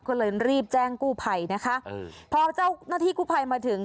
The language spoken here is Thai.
ก็เลยรีบแจ้งกู้ภัยนะคะพอเจ้าหน้าที่กู้ภัยมาถึง